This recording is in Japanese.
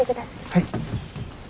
はい。